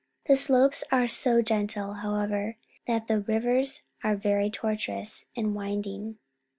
The slopes are so gentle, however, that the rivers are very tortuous and winding.